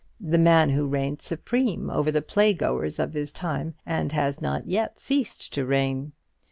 the man who reigned supreme over the playgoers of his time, and has not yet ceased to reign.